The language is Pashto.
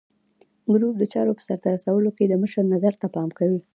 ګروپ د چارو په سرته رسولو کې د مشر نظر ته پام کوي.